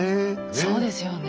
そうですよね。